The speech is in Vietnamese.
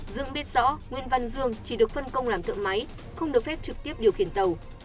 dương biết rõ nguyễn văn dương chỉ được phân công làm thợ máy không được phép trực tiếp điều khiển tàu